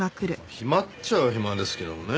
暇っちゃあ暇ですけどもね。